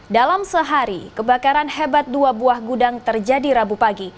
dalam sehari kebakaran hebat dua buah gudang terjadi rabu pagi